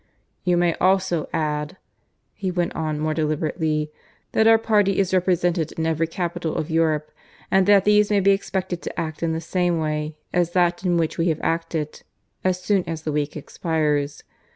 You may also add," he went on more deliberately, "that our party is represented in every capital of Europe, and that these may be expected to act in the same way as that in which we have acted, as soon as the week expires.